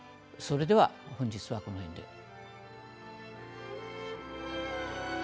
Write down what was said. それでは本日はこのへんで。